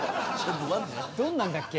どんなんだっけ？